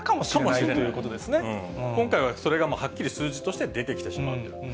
今回はそれがはっきり数字として出てきてしまっている。